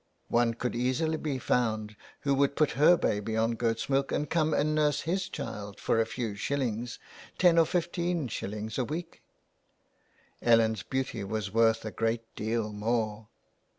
One could easily be found who would put her baby on goat's milk and come and nurse his child for a few shillings — ten or fifteen shillings a week ; Ellen's beauty was worth a great deal more.